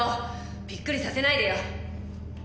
びっくりさせないでよ。